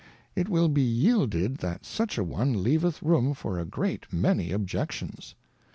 It will be yielded, that such a one leaveth room for a great many Objections.